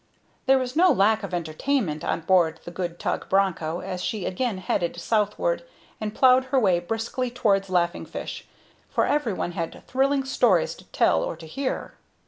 There was no lack of entertainment on board the good tug Broncho as she again headed southward and ploughed her way briskly towards Laughing Fish, for every one had thrilling stories to tell or to hear.